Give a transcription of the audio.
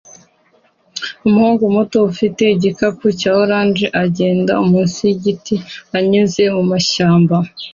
Umuhungu muto ufite igikapu cya orange agenda munsi yigiti anyuze mumashyamba